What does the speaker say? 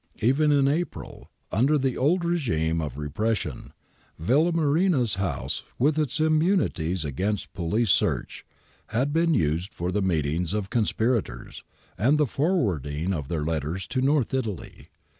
Even in April, under the old regime of repres sion, Villamarina's house, with its immunities against police search, had been used for the meetings of con spirators, and the forwarding of their letters to North Italy.'